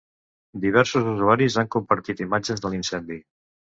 Diversos usuaris han compartit imatges de l’incendi.